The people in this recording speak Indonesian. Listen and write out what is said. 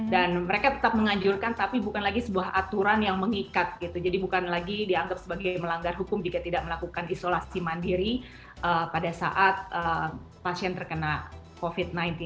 mereka tetap menganjurkan tapi bukan lagi sebuah aturan yang mengikat gitu jadi bukan lagi dianggap sebagai melanggar hukum jika tidak melakukan isolasi mandiri pada saat pasien terkena covid sembilan belas